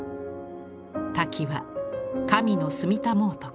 滝は神の住みたもう所。